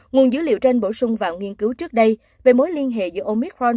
nguồn dữ liệu trên bổ sung vào nghiên cứu trước đây về mối liên hệ giữa omicron